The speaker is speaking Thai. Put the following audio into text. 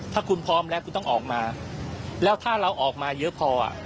ถ้าคุณพร้อมแล้วคุณต้องออกมาแล้วถ้าเราออกมาเยอะพออ่ะ